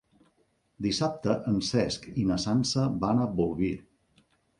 Dissabte en Cesc i na Sança van a Bolvir.